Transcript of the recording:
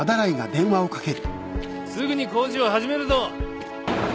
すぐに工事を始めるぞ。